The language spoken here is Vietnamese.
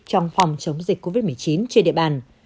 trong phòng chống dịch covid một mươi chín trên địa bàn